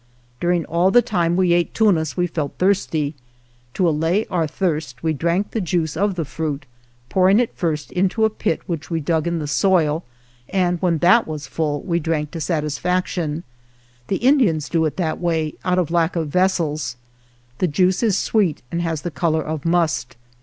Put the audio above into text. During all the time we ate tunas we felt thirsty. To allay our thirst we drank the 96 ALVAR NUNEZ CABEZA DE VACA juice of the fruit, pouring it first into a pit which we dug in the soil, and when that was full we drank to satisfaction. The Indians do it in that way, out of lack of vessels. The juice is sweet and has the color of must.